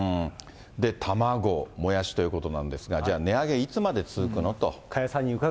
卵、もやしということなんですが、じゃあ値上げ、いつまで続くのと。